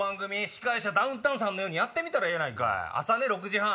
司会者ダウンタウンさんのようにやってみたらええやん朝６時半。